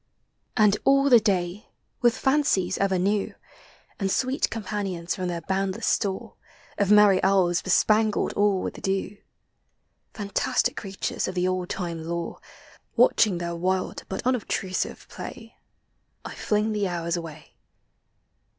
And all the day, with fancies ever new, And sweet companions from their boundless store, Of merry elves bespangled all with dew, Fantastic creatures of the old time lore, Watching their wild but unobtrusive play, I liing the hours uway.